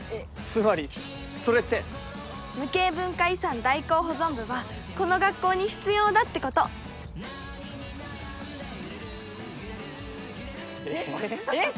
つまりそれって無形文化遺産代行保存部はこの学校に必要だってことえっえっ